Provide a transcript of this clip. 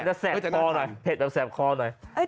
แสบคอหน่อยเผ็ดแบบแสบคอหน่อย